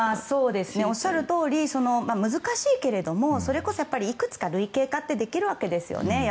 おっしゃるとおり難しいけれどもそれこそ、いくつか類型化ってできるわけですよね。